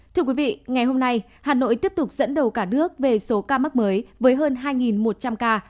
thưa quý vị ngày hôm nay hà nội tiếp tục dẫn đầu cả nước về số ca mắc mới với hơn hai một trăm linh ca